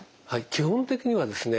基本的にはですね